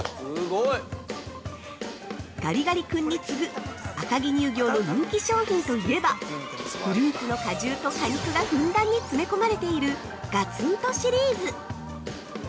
◆ガリガリ君に次ぐ、赤城乳業の人気商品といえばフルーツの果汁と果肉がふんだんに詰め込まれているガツン、とシリーズ。